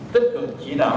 tích cực chỉ đạo